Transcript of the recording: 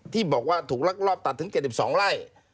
ที่บอกว่าถูกลักลอบตัดถึง๗๒ไร่